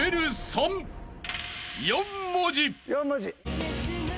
４文字。